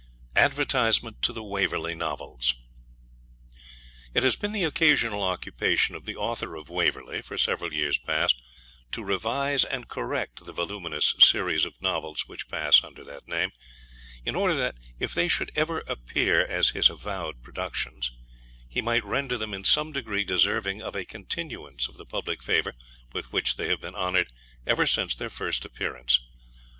ADVERTISEMENT TO THE WAVERLEY NOVELS IT has been the occasional occupation of the Author of Waverley, for several years past, to revise and correct the voluminous series of Novels which pass under that name, in order that, if they should ever appear as his avowed productions, he might render them in some degree deserving of a continuance of the public favour with which they have been honoured ever since their first appearance.